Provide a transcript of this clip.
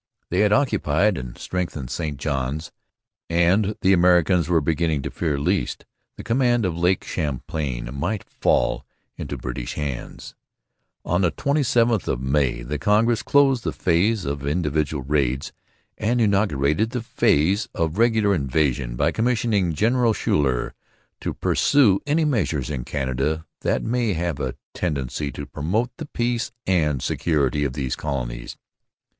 They had occupied and strengthened St Johns. And the Americans were beginning to fear lest the command of Lake Champlain might again fall into British hands. On the 27th of May the Congress closed the phase of individual raids and inaugurated the phase of regular invasion by commissioning General Schuyler to 'pursue any measures in Canada that may have a tendency to promote the peace and security of these Colonies.'